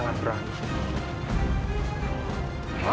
nyerah seperti anak perempuan